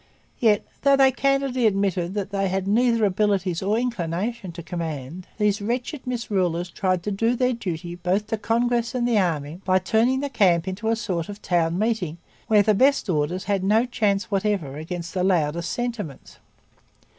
Yet, though they candidly admitted that they had 'neither abilities nor inclination' to command, these wretched misrulers tried to do their duty both to the Congress and the army by turning the camp into a sort of town meeting where the best orders had no chance whatever against the loudest 'sentiments.'